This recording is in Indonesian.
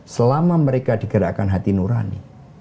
selama mereka digerakkan hati nurani